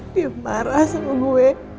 dia marah sama gue